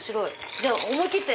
じゃあ思い切って！